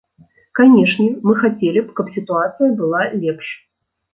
Канешне, мы хацелі б, каб сітуацыя была лепш.